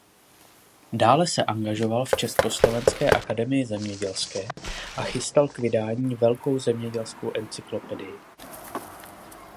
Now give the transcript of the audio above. Dále se angažoval v Československé akademii zemědělské a chystal k vydání "Velkou zemědělskou encyklopedii".